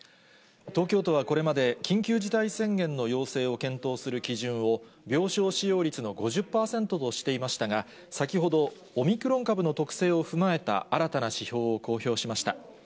東京都はこれまで、緊急事態宣言の要請を検討する基準を、病床使用率の５０％としていましたが、先ほど、オミクロン株の特性を踏まえた新たな指標を公表しました。